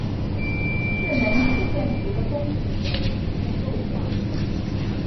势能曲线图的峰顶为平面构象。